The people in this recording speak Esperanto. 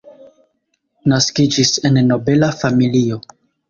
Naskiĝis en nobela familio.